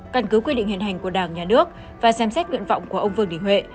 căn cứ quy định hiện hành của đảng nhà nước và xem xét nguyện vọng của ông vương đình huệ